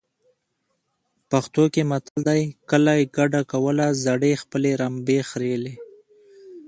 پښتو کې متل دی. کلی کډه کوله زړې خپلې رمبې خریلې.